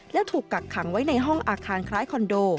แล้วถูกกักขังไว้ในห้องอาคารคล้ายคอนโด